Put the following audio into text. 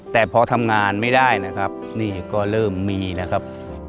แต่พอทำงานไม่ได้นะครับนี่ก็เริ่มมีนะครับ